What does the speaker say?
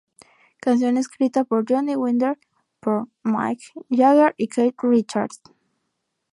Canción escrita para Johnny Winter por Mick Jagger y Keith Richards.